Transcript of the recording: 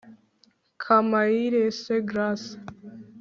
kamayirese grăce